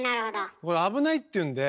これ危ないっていうんで。